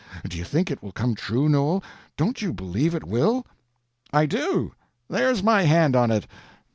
Do you think it will come true, Noel? Don't you believe it will?" "I do. There's my hand on it."